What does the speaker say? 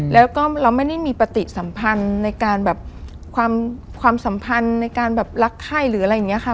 แล้วก็เราไม่ได้มีปฏิสัมพันธ์ในการแบบความสัมพันธ์ในการแบบรักไข้หรืออะไรอย่างนี้ค่ะ